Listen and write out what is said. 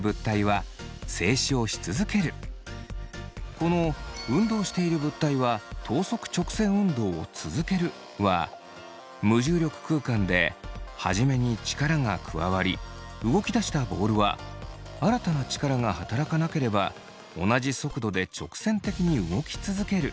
この「運動している物体は等速直線運動を続ける」は無重力空間で初めに力が加わり動き出したボールは新たな力が働かなければ同じ速度で直線的に動き続けるということ。